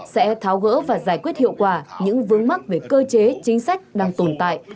sẽ tháo gỡ và giải quyết hiệu quả những vướng mắc về cơ chế chính sách đang tồn tại